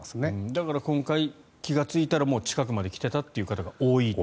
だから今回気がついたら近くまで来てたという方が多いと。